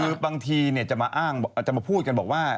คือบางทีเนี่ยจะมาอ้างจะมาพูดกันบอกว่า